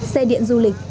xe điện du lịch